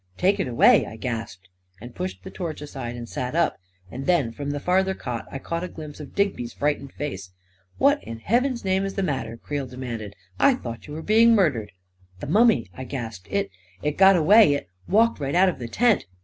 " Take it away !" I gasped, and pushed the torch aside and sat up; and then from the farther cot I got a glimpse of Digby's frightened face. "What in heaven's name is the matter ?" Creel demanded " I thought you were being mur dered! "" The mummy! " I gasped. " It — it got away — it walked right out of the tent